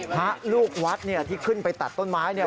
พระลูกวัดเนี่ยที่ขึ้นไปตัดต้นไม้เนี่ย